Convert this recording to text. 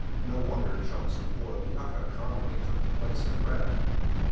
No wonder chunks of boiled yuca commonly took the place of bread.